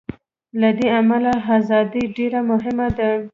له دې امله ازادي ډېره مهمه ده.